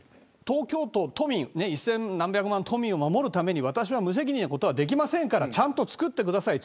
東京都、都民を守るために私、無責任なことはできませんからちゃんと創ってください。